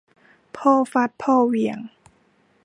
พอฟัดพอเหวี่ยง